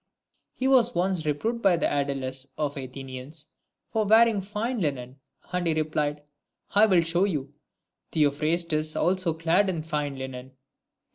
He was once reproved by the sediles of the Athenians, for wearing fine linen, and so he replied, " I will show you Theo phrastus also clad in fine linen."